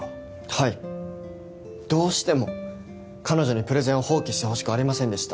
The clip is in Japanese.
はいどうしても彼女にプレゼンを放棄してほしくありませんでした